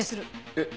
えっ？